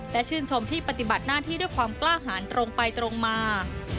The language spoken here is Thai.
และชื่นชมที่ปฏิบัติหน้าที่ด้วยความกล้าหารตรงไปตรงมา